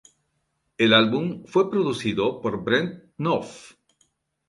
El álbum fue producido por Brent Knopf.